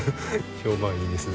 評判いいですね。